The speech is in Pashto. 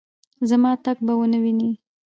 زما تګ به ونه وینې